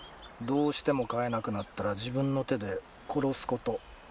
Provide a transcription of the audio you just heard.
どうしても飼えなくなったら自分の手で殺すこと。